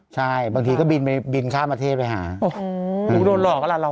ใช่บางทีก็บินข้ามอเทพไปหาโอ้โหหนุ๊ยโดนหลอกก็ละเรา